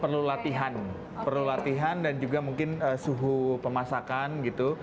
perlu latihan perlu latihan dan juga mungkin suhu pemasakan gitu